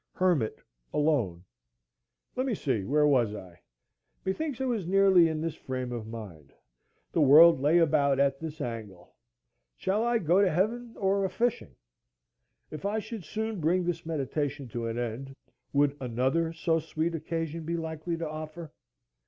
Hermit alone. Let me see; where was I? Methinks I was nearly in this frame of mind; the world lay about at this angle. Shall I go to heaven or a fishing? If I should soon bring this meditation to an end, would another so sweet occasion be likely to offer?